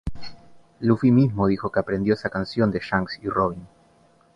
Luffy mismo dijo que aprendió esa canción de Shanks y Robin.